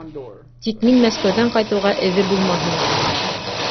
Тик мин Мәскәүҙән ҡайтыуға эҙе булмаһын!